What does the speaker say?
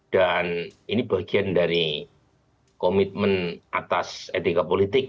dan ini bagian dari komitmen atas etika politik